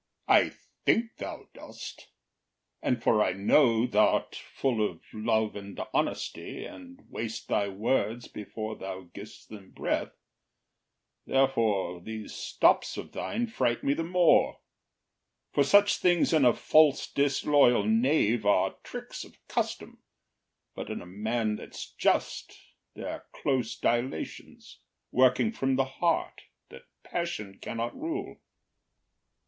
OTHELLO. I think thou dost; And for I know thou’rt full of love and honesty And weigh’st thy words before thou giv’st them breath, Therefore these stops of thine fright me the more: For such things in a false disloyal knave Are tricks of custom; but in a man that’s just, They’re close dilations, working from the heart, That passion cannot rule.